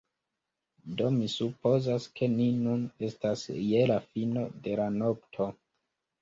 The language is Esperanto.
Do, mi supozas ke ni nun estas je la fino de la nokto.